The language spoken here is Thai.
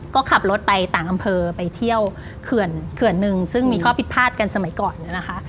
ก็ขับรถไปต่างอำเภอไปเที่ยวเขื่อนหนึ่งซึ่งมีข้อผิดพลาดกันสมัยก่อนเนี่ยนะคะ